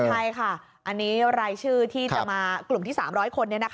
ใช่ค่ะอันนี้รายชื่อที่จะมากลุ่มที่๓๐๐คน